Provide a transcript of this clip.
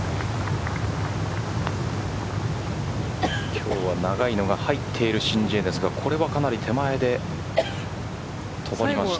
今日は長いのが入っている申ジエですがこれはかなり手前で止まりました。